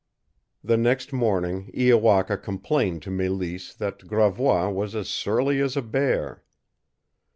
The next morning Iowaka complained to Mélisse that Gravois was as surly as a bear.